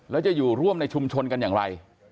แล้วจะอยู่ร่วมในชุมชนกันอย่างไร